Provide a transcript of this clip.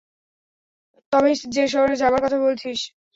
তবে যে শহরে যাবার কথা বলছিস?